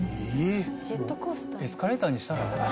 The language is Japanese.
エスカレーターにしたら？